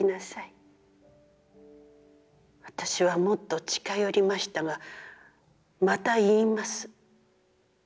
私は、もっと近寄りましたが、また、言います。